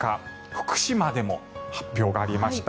福島でも発表がありました。